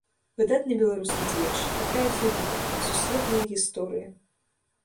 Выдатны беларускі дзеяч, такая фігура, сусветная гісторыя!